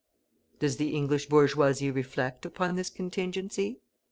Does the English bourgeoisie reflect upon this contingency?